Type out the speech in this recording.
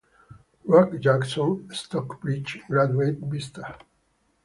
Russ Jackson - Stocksbridge Graduate Beester.